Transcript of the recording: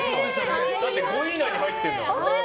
５位以内に入ってるんだもん。